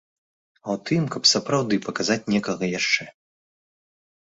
А ў тым, каб сапраўды паказаць некага яшчэ.